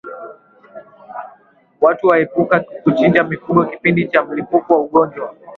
Watu waepuke kuchinja mifugo kipindi cha mlipuko wa ugonjwa